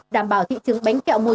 nhiều cụ phạm mới